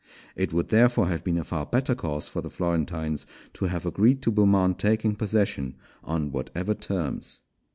It would therefore have been a far better course for the Florentines to have agreed to Beaumont taking possession on whatever terms.